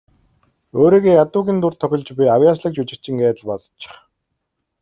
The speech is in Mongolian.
Өөрийгөө ядуугийн дүрд тоглож буй авъяаслагжүжигчин гээд л бодчих.